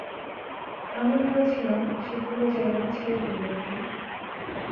আমি ভেবেছিলাম সে পুরো জায়গাটা ছিঁড়ে ফেলবে, ভাই।